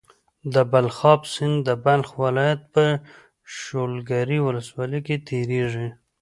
د بلخاب سيند د بلخ ولايت په شولګرې ولسوالۍ کې تيريږي.